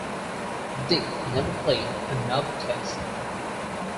Dick never played another Test.